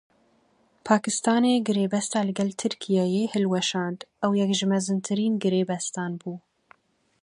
Pakistanê girêbesta li gel Tirkiyeyê hilweşand, ew yek ji mezintirîn girêbestan bû.